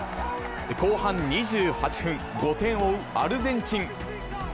後半２８分、５点を追うアルゼンチン。